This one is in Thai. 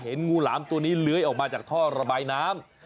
งูหลามตัวนี้เลื้อยออกมาจากท่อระบายน้ำ